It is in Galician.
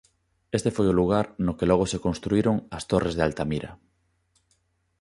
Este foi o lugar no que logo se construíron as Torres de Altamira.